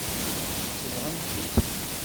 Sebɣen-t-id.